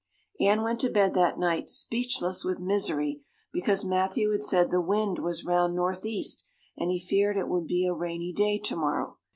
Anne went to bed that night speechless with misery because Matthew had said the wind was round northeast and he feared it would be a rainy day tomorrow.